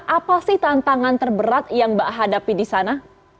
apa sih tantangan terberat yang mbak hadapi di sana